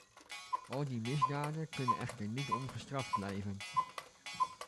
Al die misdaden kunnen echter niet ongestraft blijven.